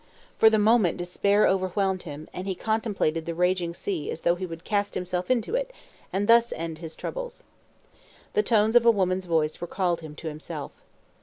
For the moment despair overwhelmed him, and he contemplated the raging sea as though he would cast himself into it, and thus end his troubles. The tones of a woman's voice recalled him to himself.